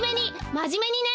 まじめにね！